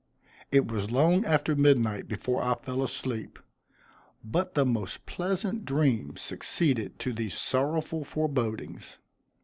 It was long after midnight before I fell asleep, but the most pleasant dream, succeeded to these sorrowful forebodings.